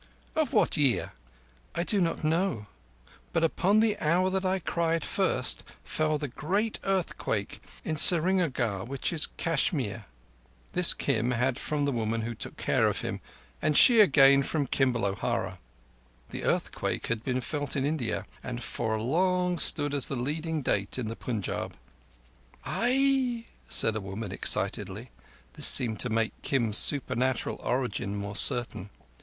"Of what year?" "I do not know; but upon the hour that I cried first fell the great earthquake in Srinagar which is in Kashmir." This Kim had from the woman who took care of him, and she again from Kimball O'Hara. The earthquake had been felt in India, and for long stood a leading date in the Punjab. "Ai!" said a woman excitedly. This seemed to make Kim's supernatural origin more certain.